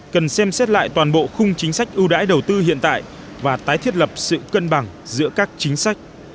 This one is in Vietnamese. cần xem xét lại toàn bộ khung chính sách ưu đãi đầu tư hiện tại và tái thiết lập sự cân bằng giữa các chính sách